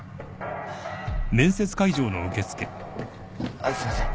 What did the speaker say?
☎あっすいません